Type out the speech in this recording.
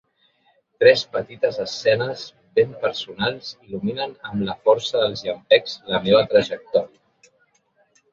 Tres petites escenes ben personals il·luminen amb la força dels llampecs la meva trajectòria.